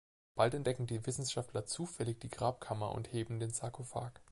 Bald entdecken die Wissenschaftler zufällig die Grabkammer und heben den Sarkophag.